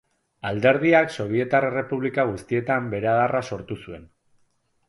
Alderdiak sobietar errepublika guztietan bere adarra sortu zuen.